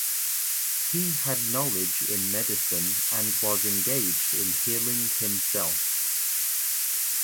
He had knowledge in medicine and was engaged in healing himself.